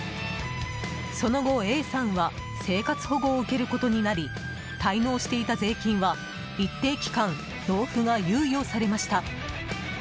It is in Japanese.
その後、Ａさんは生活保護を受けることになり滞納していた税金は一定期間、納付が猶予されました。